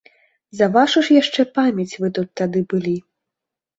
За вашу ж яшчэ памяць, вы тут тады былі.